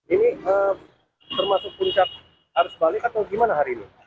ini termasuk puncak arus balik atau gimana hari ini